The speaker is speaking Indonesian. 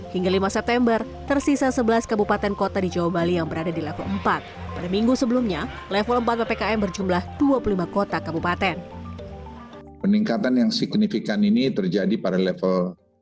hingga lima september tersisa sebelas kabupaten kota di jawa bali yang berada di level empat